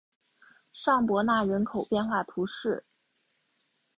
尚博纳人口变化图示